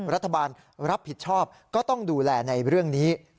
รัฐบาลรับผิดชอบก็ต้องดูแลในเรื่องนี้